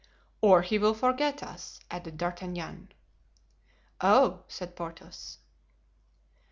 "Or he will forget us," added D'Artagnan. "Oh!" said Porthos.